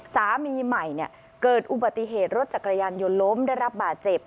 สามีใหม่เกิดอุบัติเหตุรถจักรยานยนต์ล้มได้รับบาดเจ็บ